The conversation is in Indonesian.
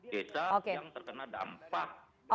desa yang terkena dampak